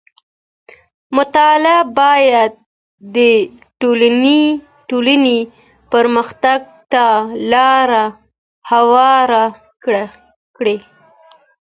مطالعه بايد د ټولنې پرمختګ ته لار هواره کړي.